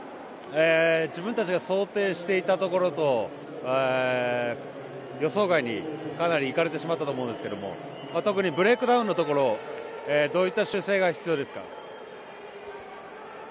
自分たちが想定していたところと予想外にかなり行かれてしまったと思いますが特にブレイクダウンのところどういった修正が必要ですか。